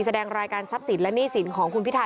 แสดงรายการทรัพย์ศิลป์และหนี้ศิลป์ของคุณพิธา